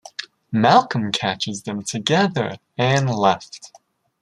Malcolm catches them together and left.